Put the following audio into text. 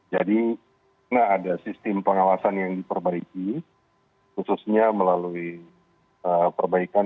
jadi ada sistem pengawasan yang diperbaiki khususnya melalui perbaikan